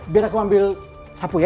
biar aku ambil sapu ya